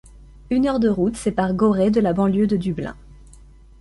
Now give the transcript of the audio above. Une heure de route sépare Gorey de la banlieue de Dublin.